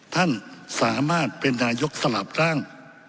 ท่านสามารถเป็นนายกสลับร่าง